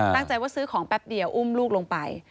ตั้งใจว่าซื้อของแป๊บเดียวอุ้มลูกลงไป